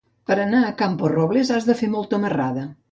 Per anar a Camporrobles has de fer molta marrada.